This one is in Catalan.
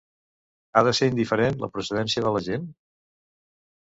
Ha de ser indiferent la procedència de la gent?